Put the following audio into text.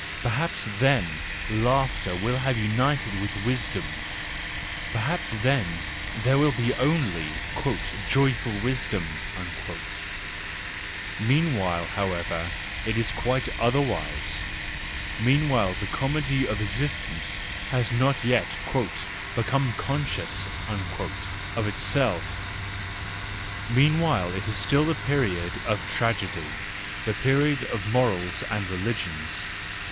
—Perhaps then laughter will have united with wisdom, perhaps then there will be only "joyful wisdom." Meanwhile, however, it is quite otherwise, meanwhile the comedy of existence has not yet " become conscious " of itself, THE JOYFUL WISDOM, I 33 meanwhile it is still the period of tragedy, the period of morals and religions.